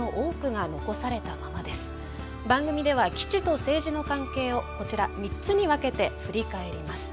番組では「基地と政治」の関係をこちら３つに分けて振り返ります。